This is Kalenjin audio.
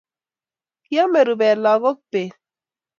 Kiame rubet lagok beet